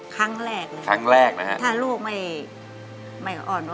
แต่เงินมีไหม